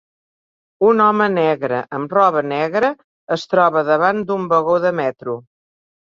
Un home negre amb roba negra es troba davant d'un vagó de metro.